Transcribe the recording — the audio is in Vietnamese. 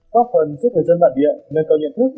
góp phần giúp người dân bản địa nâng cao nhận thức